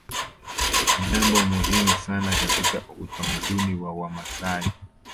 Ni jambo muhimu sana katika utamaduni wa Wamasai